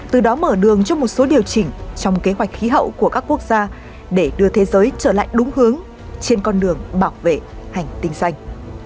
từ đó mở đường cho một số điều chỉnh trong kế hoạch khí hậu của các quốc gia để đưa thế giới trở lại đúng hướng trên con đường bảo vệ hành tinh xanh